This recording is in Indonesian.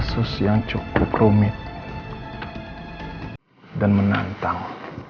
kasus yang cukup rumit dan menantang